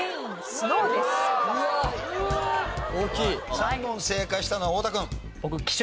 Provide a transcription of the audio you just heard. ３問正解したのは太田君。